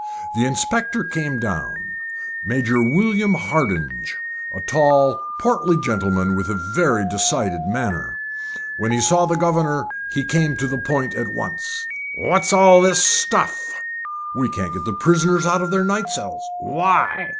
The inspector came down Major William Hardinge. A tall, portly gentleman, with a very decided manner. When he saw the governor he came to the point at once. "What's all this stuff?" "We can't get the prisoners out of the night cells." "Why?"